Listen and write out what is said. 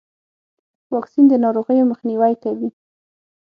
واکسین د ناروغیو مخنیوی کوي.